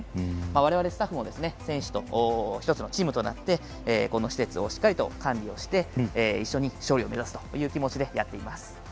われわれスタッフも選手と１つのチームとなってこの施設をしっかりと管理をして一緒に勝利を目指すという気持ちでやっています。